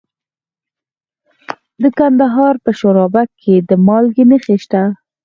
د کندهار په شورابک کې د مالګې نښې شته.